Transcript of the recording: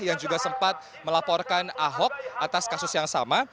yang juga sempat melaporkan ahok atas kasus yang sama